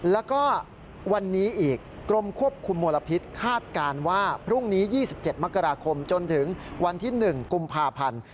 แล้วก็วันนี้อีกกรมควบคุมมลพิษคาดการณ์ว่าพรุ่งนี้๒๗มกราคมจนถึงวันที่๑กุมภาพันธ์